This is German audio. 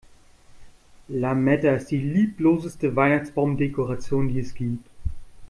Lametta ist die liebloseste Weihnachtsbaumdekoration, die es gibt.